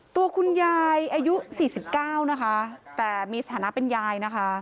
ตัวคุณยายอายุ๔๙นะคะแต่มีสถานะเป็นยายนะคะ